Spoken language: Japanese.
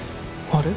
あれ？